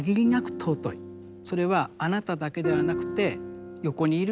それはあなただけではなくて横にいる人も。